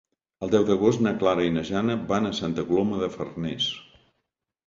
El deu d'agost na Clara i na Jana van a Santa Coloma de Farners.